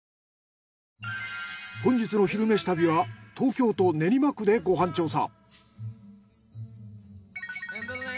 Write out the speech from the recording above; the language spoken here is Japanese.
本日の「昼めし旅」は東京都練馬区でご飯調査。